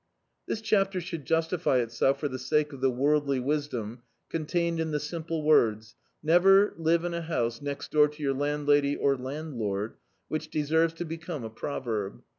TTiia chapter should justify itself for the sake of the worldly wisdom contained in the simple words — "Never live in a house next door to your land lady or landlord;" which deserves to become a proverb.